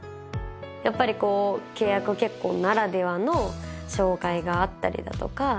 やっぱりこう契約結婚ならではの障害があったりだとか